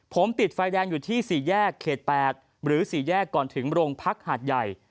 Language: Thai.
ผมติดไฟแดงอยู่ที่๔แยกเขต๘หรือ๔แยกก่อนถึงโรงพักหาดใหญ่